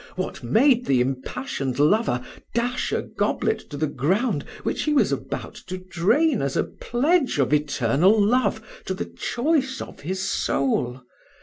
what made the impassioned lover dash a goblet to the ground, which he was about to drain as a pledge of eternal love to the choice of his soul!